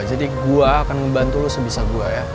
jadi gua akan ngebantu lo sebisa gua ya